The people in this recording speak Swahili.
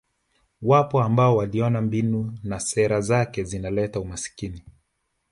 Wapo ambao waliona mbinu na sera zake zinaleta umasikini